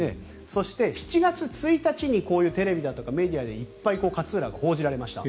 そして、７月１日にこういうテレビだとかメディアにいっぱい勝浦が報じられました。